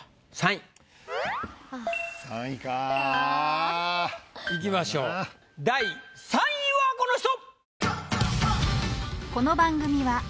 ３位かぁ。いきましょう第３位はこの人！